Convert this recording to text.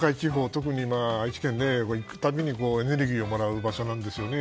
特に今、愛知県に行く度にエネルギーをもらう場所なんですよね。